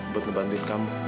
buat ngebantuin kamu